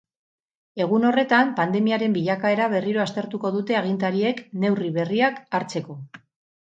Egun horretan pandemiaren bilakaera berriro aztertuko dute agintariek, neurri berriak hartzeko.